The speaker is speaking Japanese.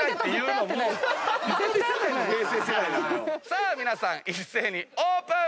さあ皆さん一斉にオープン！